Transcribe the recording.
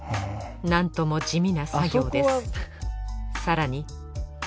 なんとも地味な作業です